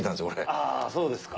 あそうですか。